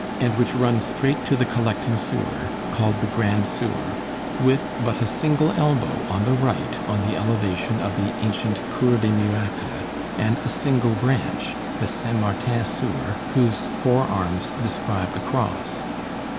and which runs straight to the collecting sewer, called the Grand Sewer, with but a single elbow, on the right, on the elevation of the ancient Cour des Miracles, and a single branch, the Saint Martin sewer, whose four arms describe a cross.